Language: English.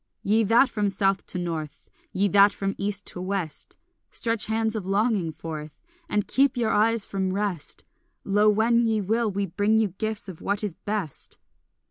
Ye that from south to north, Ye that from east to west, Stretch hands of longing forth And keep your eyes from rest, Lo, when ye will, we bring you gifts of what is best.